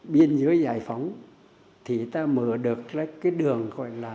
biên giới giải phóng ta mở được đường